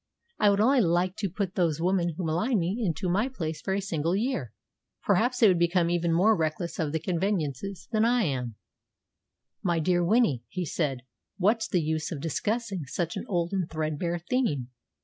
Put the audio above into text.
I would only like to put those women who malign me into my place for a single year. Perhaps they would become even more reckless of the convenances than I am!" "My dear Winnie," he said, "what's the use of discussing such an old and threadbare theme?